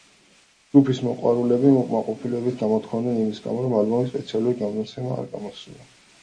ჯგუფის მოყვარულები უკმაყოფილებას გამოთქვამდნენ იმის გამო, რომ ალბომის სპეციალური გამოცემა არ გამოსულა.